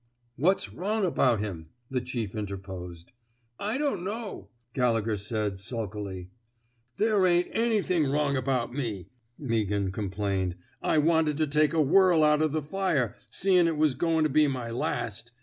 '^ What's wrong about him I " the chief interposed. *' I don't know," Gallegher said, sulkily. There ain't anything wrong about me," Meaghan complained. '^ I wanted to take a whirl out o' the fire — seein' it was goin' to be my last.